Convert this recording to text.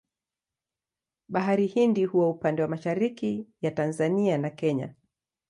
Bahari Hindi huwa upande mwa mashariki ya Tanzania na Kenya.